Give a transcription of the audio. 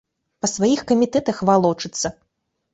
Па сваіх камітэтах валочыцца.